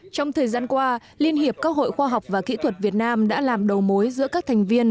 trong thời gian qua liên hiệp các hội khoa học và kỹ thuật việt nam đã làm đầu mối giữa các thành viên